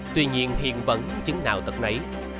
tuy nhiên hiền vẫn chứng nạo tật nấy